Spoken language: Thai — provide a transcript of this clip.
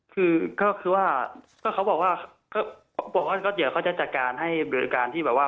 คือเขาบอกว่าเดี๋ยวเขาจะจัดการให้บริษัทที่บอกว่า